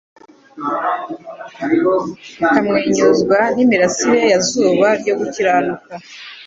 bakamwenyuzwa n'imirasire ya Zuba ryo gukiranuka.